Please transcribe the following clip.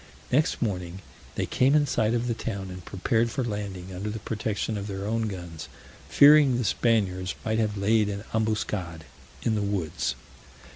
Next morning they came in sight of the town, and prepared for landing under the protection of their own guns, fearing the Spaniards might have laid an ambuscade in the woods.